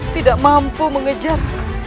tidak mampu mengejar